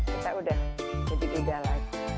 kita udah jadi beda lagi